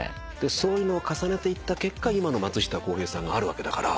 そういうのを重ねていった結果今の松下洸平さんがあるわけだから。